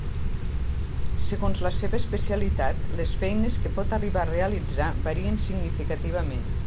Segons la seva especialitat, les feines que pot arribar a realitzar varien significativament.